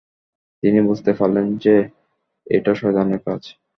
তিনি বুঝতে পারলেন যে, এটা শয়তানের কাজ।